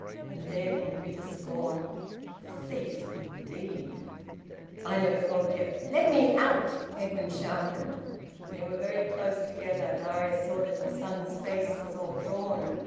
And then in bitter scorn, "Thief, indeed!" "I never called ye a " "Let me come out!" Edwin shouted. They were very close together. Darius saw that his son's face was all drawn.